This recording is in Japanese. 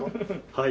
はい。